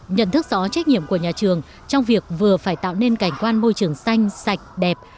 nhận thức rõ trách nhiệm của nhà trường trong việc vừa phải tạo nên cảnh quan môi trường xanh sạch đẹp